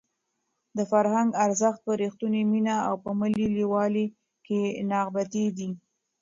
د فرهنګ ارزښت په رښتونې مینه او په ملي یووالي کې نغښتی دی.